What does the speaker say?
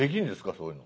そういうの。